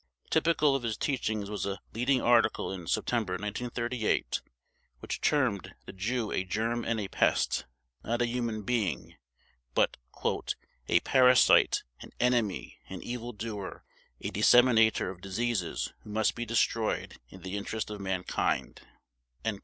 Typical of his teachings was a leading article in September 1938 which termed the Jew a germ and a pest, not a human being, but "a parasite, an enemy, an evil doer, a disseminator of diseases who must be destroyed in the interest of mankind".